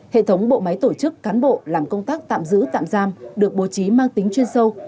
hệ thống bộ máy tổ chức cán bộ làm công tác tạm giữ tạm giam được bố trí mang tính chuyên sâu